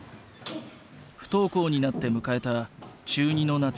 不登校になって迎えた中２の夏。